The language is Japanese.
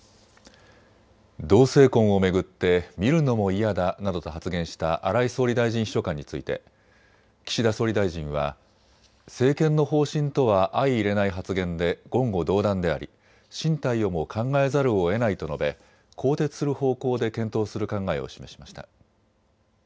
同性婚を巡って見るのも嫌だなどと発言した荒井総理大臣秘書官について岸田総理大臣は政権の方針とは相いれない発言で言語道断であり進退をも考えざるをえないと述べ更迭する方向で検討する考えを示しました。